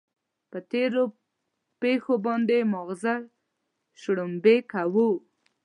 پر تېرو پېښو باندې ماغزه شړومبې کوو.